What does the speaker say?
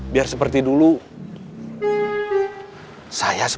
semarang semarang semarang